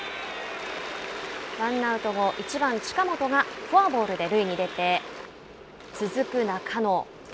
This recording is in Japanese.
ワンアウト後、１番近本がフォアボールで塁に出て続く中野。